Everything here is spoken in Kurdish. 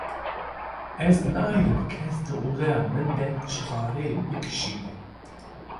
Ez nahêlim kes di odeya min de çixareyê bikişîne.